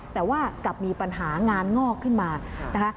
แต่ว่ากลับมีปัญหางานงอกขึ้นมานะคะ